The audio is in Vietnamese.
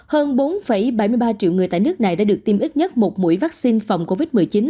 hơn bốn bảy mươi ba triệu người tại nước này đã được tiêm ít nhất một mũi vaccine phòng covid một mươi chín